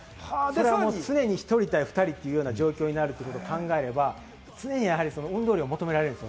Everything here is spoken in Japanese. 常に１人対２人になることを考えたら、常に運動量を求められるんです。